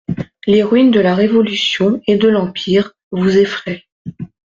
Les ruines de la Révolution et de l'Empire vous effrayent.